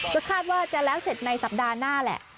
ก็คาดว่าจะแล้วเสร็จในสัปดาห์หน้าแหละ